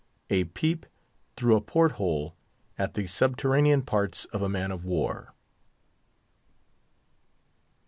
A PEEP THROUGH A PORT HOLE AT THE SUBTERRANEAN PARTS OF A MAN OF WAR.